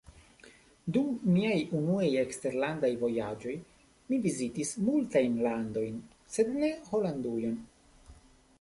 Dum miaj unuaj eksterlandaj vojaĝoj mi vizitis multajn landojn, sed ne Holandujon.